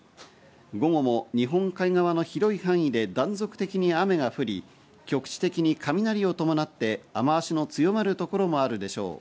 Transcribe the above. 午後も日本海側の広い範囲で断続的に雨が降り、局地的に雷を伴って雨脚の強まる所もあるでしょう。